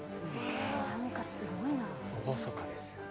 厳かですよね。